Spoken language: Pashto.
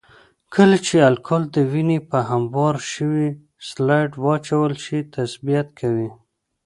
کله چې الکول د وینې په هموار شوي سلایډ واچول شي تثبیت کوي.